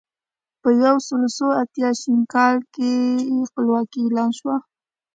په یولس سوه اتيا ه ش کال کې خپلواکي اعلان شوه.